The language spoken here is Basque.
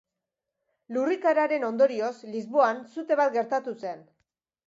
Lurrikararen ondorioz Lisboan sute bat gertatu zen.